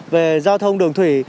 về giao thông đường thủy